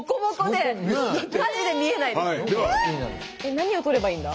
何を取ればいいんだ？